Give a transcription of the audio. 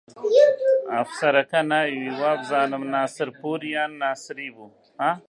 ئەفسەرەکە ناوی وابزانم ناسرپوور یان ناسری بوو